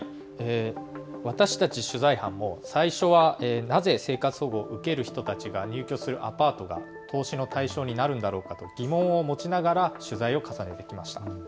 私たち取材班も最初はなぜ生活保護を受ける人たちが入居するアパートが投資の対象になるんだろうかと疑問を持ちながら取材を重ねてきました。